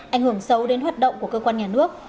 ảnh hưởng sâu đến hoạt động của cơ quan nhà nước